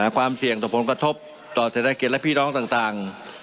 ความเสี่ยงต่อผลกระทบต่อเศรษฐกิจและพี่น้องต่าง